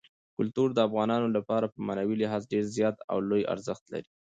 کلتور د افغانانو لپاره په معنوي لحاظ ډېر زیات او لوی ارزښت لري.